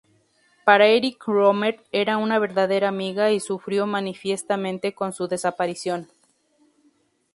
Para Éric Rohmer era una verdadera amiga, y sufrió manifiestamente con su desaparición.